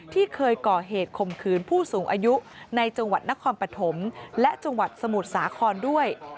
ที่เคยก่อเหตุข่มขืนผู้สูงอายุในจังหวัดนครปฐมและจังหวัดสมุทรสาครด้วย